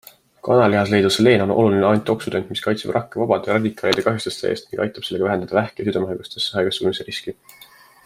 Kanalihas leiduv seleen on oluline antioksüdant, mis kaitseb rakke vabade radikaalide kahjustuste eest ning aitab sellega vähendada vähki ja südamehaigustesse haigestumise riski.